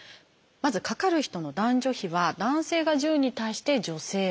まずかかる人の男女比は男性が１０に対して女性は１。